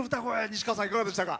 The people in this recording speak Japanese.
西川さん、いかがでしたか？